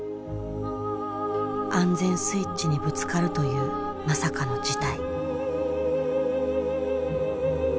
安全スイッチにぶつかるというまさかの事態。